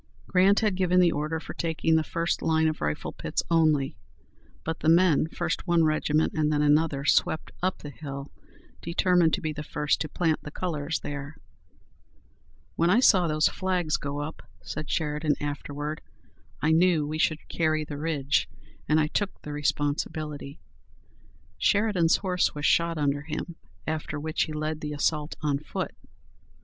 Grant had given the order for taking the first line of rifle pits only, but the men, first one regiment and then another, swept up the hill, determined to be the first to plant the colors there. "When I saw those flags go up," said Sheridan afterward, "I knew we should carry the ridge, and I took the responsibility." Sheridan's horse was shot under him, after which he led the assault on foot.